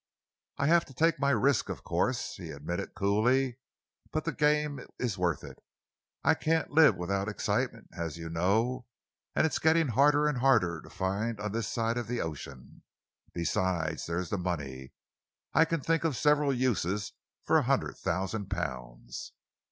"I have to take my risks, of course," he admitted coolly, "but the game is worth it. I can't live without excitement, as you know, and it's getting harder and harder to find on this side of the ocean. Besides, there is the money. I can think of several uses for a hundred thousand pounds."